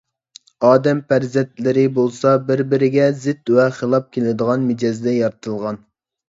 ئادەم پەرزەنتلىرى بولسا بىر - بىرىگە زىت ۋە خىلاپ كېلىدىغان مىجەزدە يارىتىلغان.